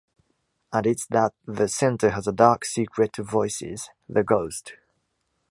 And it’s that the center has a dark secret to voices; the Ghost.